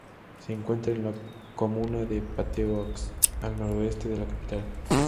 Se encuentra en la comuna de Puteaux al noroeste de la capital.